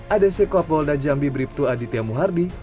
adc kapolda jambi bribtu aditya muhardi